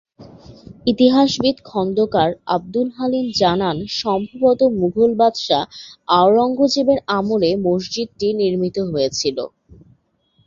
ইতিহাসবিদ খোন্দকার আবদুল হালিম জানান, সম্ভবত মুঘল বাদশা আওরঙ্গজেবের আমলে মসজিদটি নির্মিত হয়েছিলো।